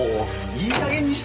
いい加減にして。